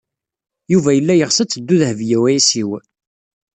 Yuba yella yeɣs ad teddu Dehbiya u Ɛisiw.